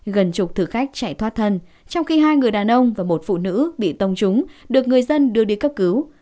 gần chục thực khách chạy thoát thân trong khi hai người đàn ông và một phụ nữ bị tông trúng được người dân đưa đi cấp cứu